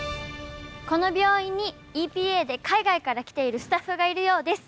この病院にＥＰＡで海外から来ているスタッフがいるようです。